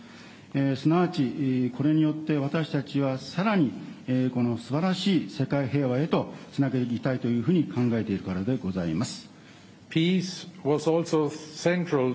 すなわち、これによって、私たちはさらにこのすばらしい世界平和へとつなげていきたいというふうに考えているからでございます。